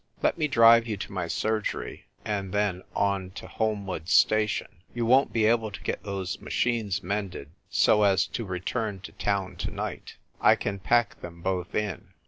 Let me drive you to my surgery, and then on to Holmwood Station. You won't be able to get those machines mended so as to return to town to night. I can pack them both in.